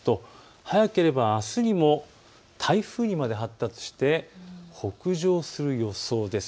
早ければあすにも台風にまで発達して北上する予想です。